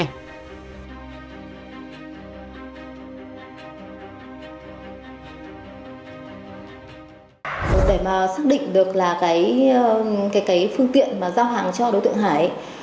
để mà xác định được là cái phương tiện mà giao hàng cho đối tượng hải